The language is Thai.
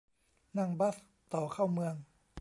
นั่งบัสต่อเข้าเมือง